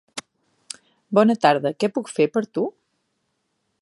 Bona tarda, què puc fer per tu?